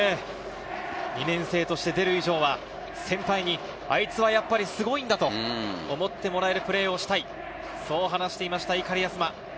２年生として出る以上は先輩にあいつはやっぱり、すごいんだと思ってもらえるプレーをしたい、そう話していました、碇明日麻。